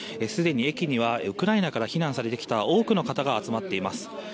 すでに駅にはウクライナから避難されてきた多くの方が集まっています。